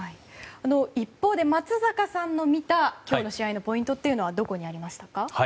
一方で、松坂さんの見た今日の試合のポイントはどこにありましたか？